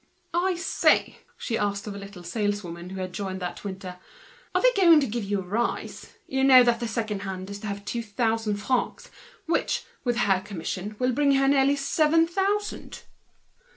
"I say," asked she of a little saleswoman who had joined that winter, "are they going to give you a rise? You know the second hand is to have two thousand francs, which, with her commission, will bring her in nearly seven thousand."